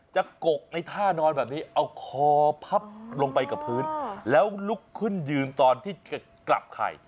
กกในท่านอนแบบนี้เอาคอพับลงไปกับพื้นแล้วลุกขึ้นยืนตอนที่กลับไข่